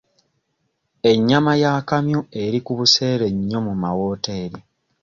Ennyama y'akamyu eri ku buseere nnyo mu mawooteri.